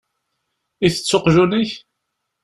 Itett uqjun-ik?